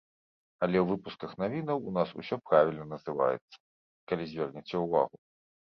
Але ў выпусках навінаў у нас ўсё правільна называецца, калі звернеце ўвагу.